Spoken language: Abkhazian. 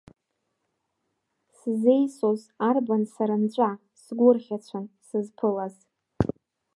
Сзеисоз арбан сара нҵәа, сгәырӷьацәан сызԥылаз.